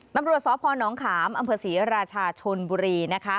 นำรัวสอพรน้องขามอัมเภอศรีราชาชนบุรีนะคะ